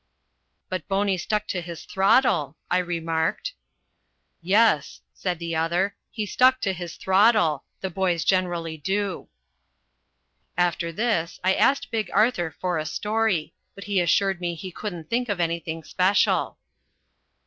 "But Boney stuck to his throttle," I remarked. "Yes," said the other, "he stuck to his throttle. The boys generally do." After this I asked Big Arthur for a story, but he assured me he couldn't think of anything special.